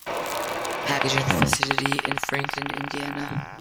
Packaging facility in Franklin, Indiana.